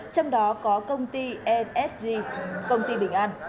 trong đó có công ty jsg công ty bình an